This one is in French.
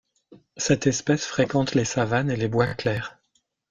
Cette espèce fréquente les savanes et les bois clairs.